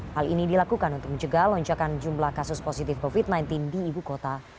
hal ini dilakukan untuk menjaga lonjakan jumlah kasus positif covid sembilan belas di ibu kota